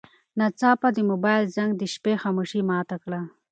ناڅاپه د موبایل زنګ د شپې خاموشي ماته کړه.